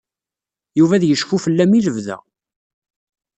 Yuba ad yecfu fell-am i lebda.